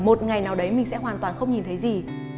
một ngày nào đấy mình sẽ hoàn toàn không nhìn thấy gì